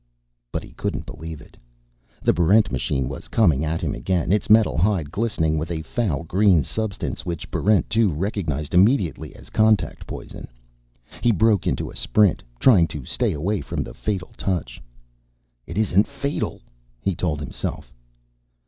_ But he couldn't believe it. The Barrent machine was coming at him again, its metal hide glistening with a foul green substance which Barrent 2 recognized immediately as Contact Poison. He broke into a sprint, trying to stay away from the fatal touch. It isn't fatal, he told himself.